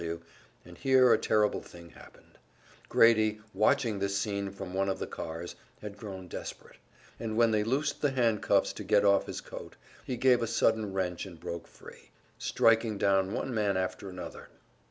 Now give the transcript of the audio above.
W., and here a terrible thing happened. Grady, watching this scene from one of the cars, had grown desperate, and when they loosed the handcuffs to get off his coat, he gave a sudden wrench and broke free, striking down one man after another.